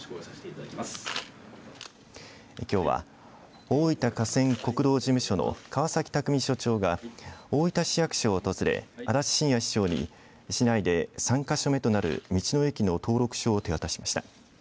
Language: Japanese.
きょうは大分河川国道事務所の河崎拓実所長が大分市役所を訪れ足立信也市長に市内で３か所目となる道の駅の登録証を手渡しました。